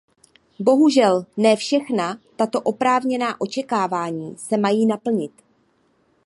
Bohužel, ne všechna tato oprávněná očekávání se mají naplnit.